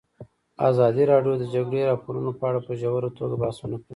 ازادي راډیو د د جګړې راپورونه په اړه په ژوره توګه بحثونه کړي.